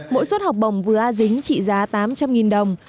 mỗi suất học bổng vừa a dính trị giá tám trăm linh đồng